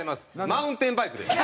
マウンテンバイクです。